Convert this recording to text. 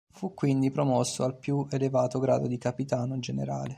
Fu quindi promosso al più elevato grado di Capitano Generale.